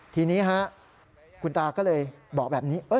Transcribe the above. ทีนี้คุณตาก็เลยบอกแบบนี้